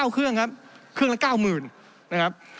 เครื่องครับเครื่องละ๙๐๐นะครับ